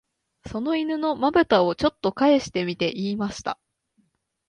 その犬の眼ぶたを、ちょっとかえしてみて言いました